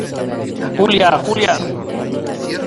Julia, Julia.